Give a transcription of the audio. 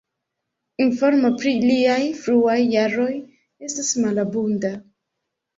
Informo pri liaj fruaj jaroj estas malabunda.